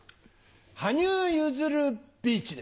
羽生結弦ビーチです。